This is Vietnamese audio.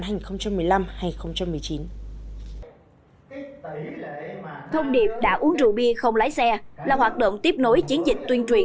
thông điệp đã uống rượu bia không lái xe là hoạt động tiếp nối chiến dịch tuyên truyền